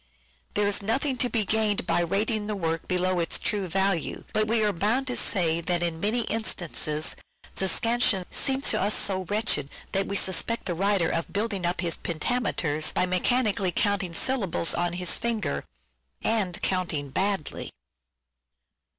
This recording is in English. There is nothing to be gained by rating the work below its true value, but we are bound to say that in many instances the scansion seems to us so wretched that we suspect the writer ot building up his pentameters by mechanically counting syllables on his fingers : and counting badly.